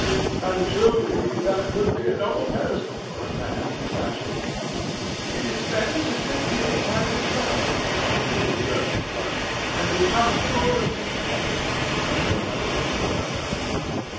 And truly that would be a noble pedestal for a man's statue." "It is better to sit here by this fire," answered the girl, blushing, "and be comfortable and contented, though nobody thinks about us."